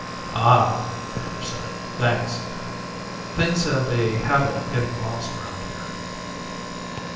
"Ah," Kramer said. "Thanks. Things have a habit of getting lost around here."